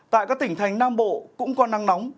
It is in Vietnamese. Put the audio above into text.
tại các tỉnh thành nam bộ cũng có nắng nóng